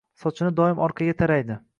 Sochini doim orqaga taraydi